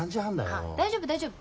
あっ大丈夫大丈夫。